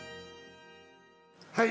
はい。